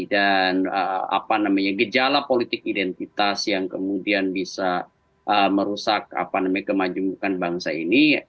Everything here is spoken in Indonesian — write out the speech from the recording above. dan gejala politik identitas yang kemudian bisa merusak kemajukan bangsa ini